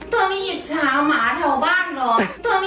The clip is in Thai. เธอไม่หยิดช้าวหมาแถวบ้านหรอ